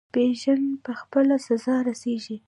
بیژن په خپله سزا رسیږي.